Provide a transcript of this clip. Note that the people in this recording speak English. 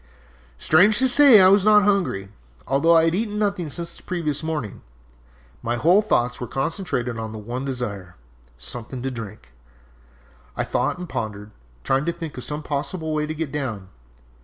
"Strange to say, I was not hungry, although I had eaten nothing since the previous morning. My whole thoughts were concentrated on the one desire something to drink! I thought and pondered, trying to think of some possible way to get down!